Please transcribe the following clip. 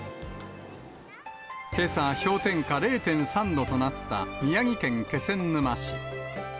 けさ、氷点下０．３度となった宮城県気仙沼市。